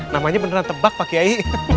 namanya beneran tebak pak kiai